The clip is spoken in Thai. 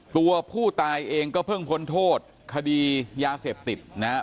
ตัวผู้ตายเองก็เพิ่งพ้นโทษคดียาเสพติดนะครับ